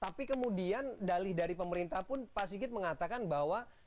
tapi kemudian dalih dari pemerintah pun pak sigit mengatakan bahwa